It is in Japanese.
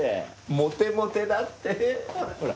モテモテだってほら。